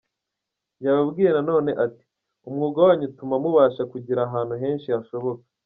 Yababwiye na none ati :"Umwuga wanyu utuma mubasha kugera ahantu henshi hashoboka.